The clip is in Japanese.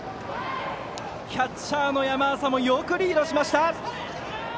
キャッチャーの山浅もよくリードしました！